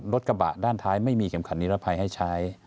รถกระบะด้านท้ายไม่มีเข็มขัดนิรภัยให้ใช้